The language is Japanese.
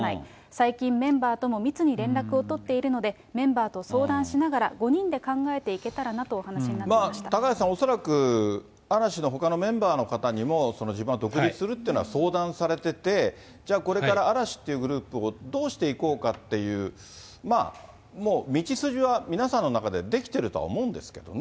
最近メンバーとも密に連絡を取っているので、メンバーと相談しながら、５人で考えていけたらなと高橋さん、恐らく、嵐のほかのメンバーの方にも、自分は独立するっていうのは相談されてて、じゃあ、これから嵐っていうグループをどうしていこうかっていう、まあ、もう道筋は皆さんの中で出来てるとは思うんですけどね。